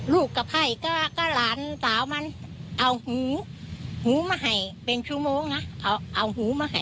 ลูกก็ให้ก็หลานสาวมันเอาหูหูมาให้เป็นจุโมงนะเอาหูมาให้